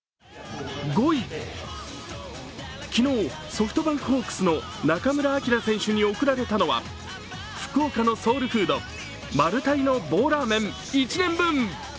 ５位、昨日、ソフトバンクホークスの中村晃選手に贈られたのは福岡のソウルフード、マルタイの棒らーめん１年分。